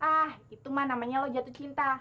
ah itu mah namanya lo jatuh cinta